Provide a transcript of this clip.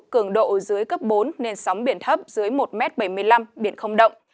cường độ dưới cấp bốn nên sóng biển thấp dưới một m bảy mươi năm biển không động